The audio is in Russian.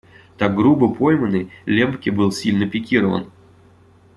Так грубо пойманный, Лембке был сильно пикирован.